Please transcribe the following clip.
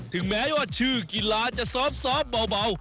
ถึงแม้ว่าชื่อกีฬาจะซ้อมเบา